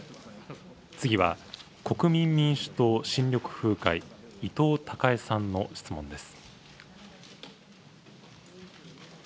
次は、国民民主党・新緑風会、伊藤孝恵さんの質問です。